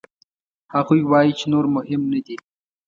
هغوی وايي چې نور مهم نه دي.